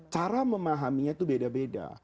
cara memahaminya itu beda beda